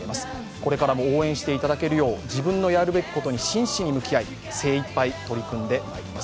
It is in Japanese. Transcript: これからも応援していただけるよう、自分のやるべきことに真摯に向き合い精いっぱい取り組んでまいります。